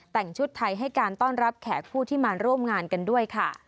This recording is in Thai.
แต่งชุดไทยให้การต้อนรับแขกผู้ที่มาร่วมงานกันด้วยค่ะ